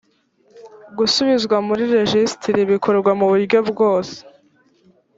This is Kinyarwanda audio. gusubizwa muri rejisitiri bikorwa mu buryobwose